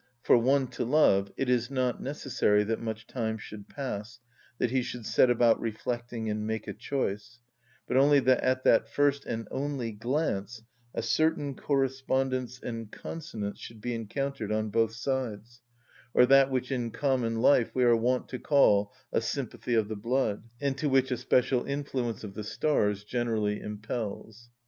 _" (For one to love it is not necessary that much time should pass, that he should set about reflecting and make a choice; but only that at that first and only glance a certain correspondence and consonance should be encountered on both sides, or that which in common life we are wont to call a sympathy of the blood, and to which a special influence of the stars generally impels), P.